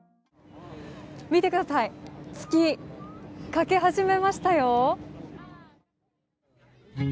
見てください、月、欠けはじめましたよ。